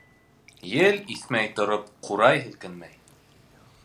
Ел иҫмәй тороп, ҡурай һелкенмәй.